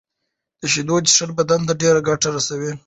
د شېدو څښل بدن ته ډيره ګټه رسوي.